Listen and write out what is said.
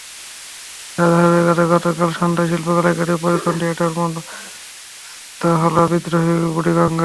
যার ধারাবাহিকতায় গতকাল সন্ধ্যায় শিল্পকলা একাডেমির পরীক্ষণ থিয়েটারে মঞ্চস্থ হলো বিদ্রোহী বুড়িগঙ্গা।